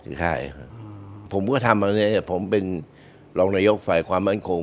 ใช่ผมก็ทำอันนี้ผมเป็นรองนายกฝ่ายความมั่นคง